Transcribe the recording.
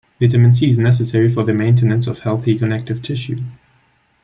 Vitamin C is necessary for the maintenance of healthy connective tissue.